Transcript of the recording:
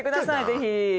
ぜひ。